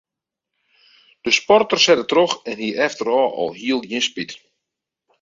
De sporter sette troch en hie efterôf alhiel gjin spyt.